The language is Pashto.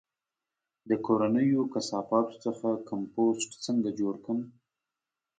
د کورنیو کثافاتو څخه کمپوسټ څنګه جوړ کړم؟